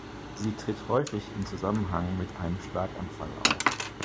Sie tritt häufig in Zusammenhang mit einem Schlaganfall auf.